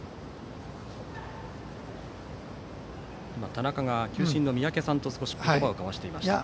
田中が球審の三宅さんと言葉を交わしていました。